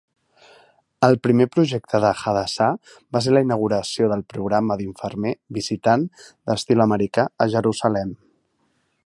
El primer projecte de Hadassah va ser la inauguració del programa d"infermer visitant d"estil americà a Jerusalem.